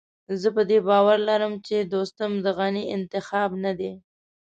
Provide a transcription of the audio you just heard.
زه په دې باور لرم چې دوستم د غني انتخاب نه دی.